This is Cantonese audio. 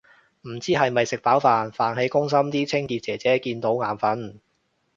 唔知係咪食飽飯，飯氣攻心啲清潔姐姐見眼訓